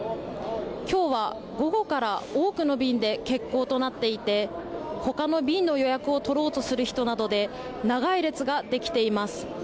きょうは午後から多くの便で欠航となっていてほかの便の予約を取ろうとする人などで長い列ができています。